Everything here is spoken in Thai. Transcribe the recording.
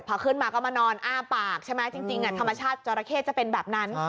พอขึ้นมาก็มานอนอ้าปากใช่ไหมจริงธรรมชาติจราเข้จะเป็นแบบนั้น